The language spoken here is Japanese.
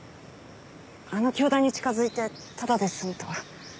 あの教団に近づいてタダで済むとは。